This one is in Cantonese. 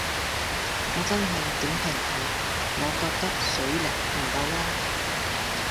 我真係點評下，我覺得水力唔夠囉